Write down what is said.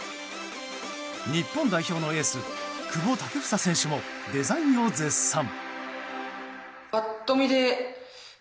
日本代表のエース久保建英選手もデザインを絶賛。